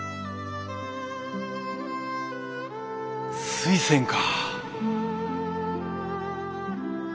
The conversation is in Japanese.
水仙か。